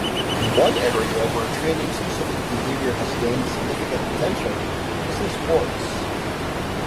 One area where training specific behavior has gained significant attention is in sports.